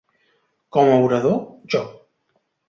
Com a orador, jo.